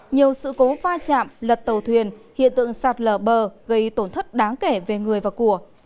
nhiều sự cố pha chạm lật tàu thuyền hiện tượng sạt lở bờ gây tổn thất đáng kể về người và của